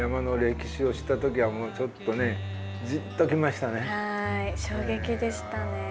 しかもはい衝撃でしたね。